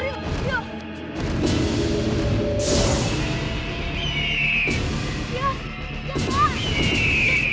kak suara satu kak